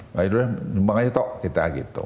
ngayudulah nyumbang aja tok kita gitu